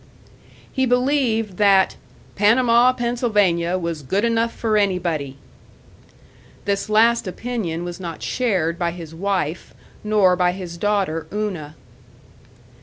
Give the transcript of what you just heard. He believed that "Panama, Pennsylvania, was good enough for anybody." This last opinion was not shared by his wife, nor by his daughter Una.